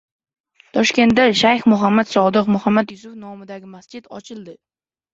Toshkentda Shayx Muhammad Sodiq Muhammad Yusuf nomidagi masjid ochildi